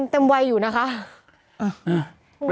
เต็มวัยอยู่นะคะ